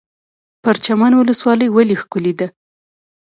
پرچمن ولسوالۍ ولې ښکلې ده؟